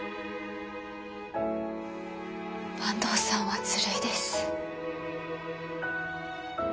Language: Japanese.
坂東さんはずるいです。